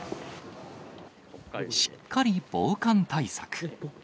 しっかり防寒対策。